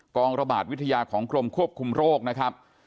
ระบาดวิทยาของกรมควบคุมโรคนะครับ